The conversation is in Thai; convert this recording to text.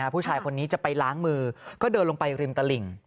ผู้ชายคนนี้จะไปล้างมือก็เดินลงไปริมตลิ่ง